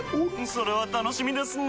それは楽しみですなぁ。